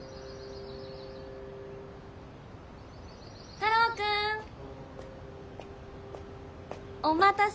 ・太郎くん。お待たせ。